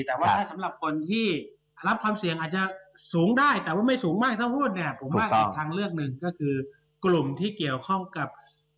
แต่ว่าถ้าสำหรับคนที่รับความเสี่ยงอาจจะสูงได้แต่ว่าไม่สูงมากถ้าพูดเนี่ยผมว่าอีกทางเลือกหนึ่งก็คือกลุ่มที่เกี่ยวข้องกับ